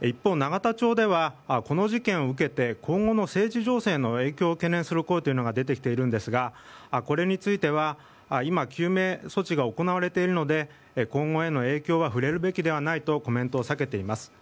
一方、永田町ではこの事件を受けて今後の政治情勢の影響を懸念する声というのが出てきているんですがこれについては今、救命措置が行われているので今後への影響は触れるべきではないとコメントを避けています。